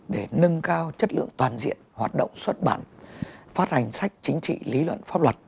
để nâng cao chất lượng toàn diện hoạt động xuất bản phát hành sách chính trị lý luận pháp luật